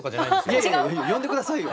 いやいや呼んで下さいよ。